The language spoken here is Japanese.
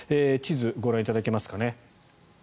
地図をご覧いただけますかね。